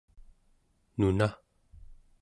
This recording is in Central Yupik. nuna